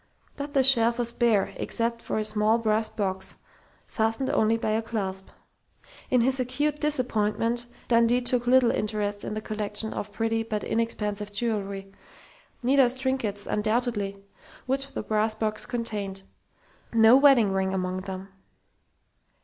But the shelf was bare except for a small brass box, fastened only by a clasp. In his acute disappointment Dundee took little interest in the collection of pretty but inexpensive jewelry Nita's trinkets, undoubtedly which the brass box contained.... No wedding ring among them....